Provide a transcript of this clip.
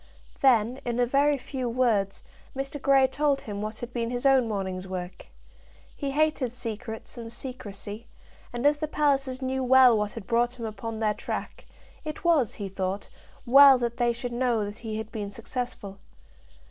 Then, in a very few words, Mr. Grey told him what had been his own morning's work. He hated secrets and secrecy, and as the Pallisers knew well what had brought him upon their track, it was, he thought, well that they should know that he had been successful.